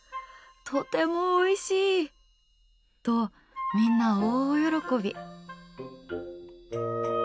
「とてもおいしい！」と、みんな大喜び。